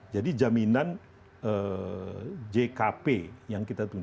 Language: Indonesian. jadi jaminan jkp yang kita sebutkan